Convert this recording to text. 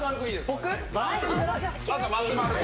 僕？